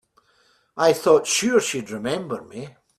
I thought sure you'd remember me.